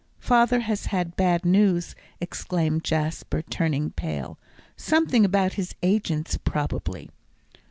"Father has had bad news!" exclaimed Jasper, turning pale; "something about his agents, probably."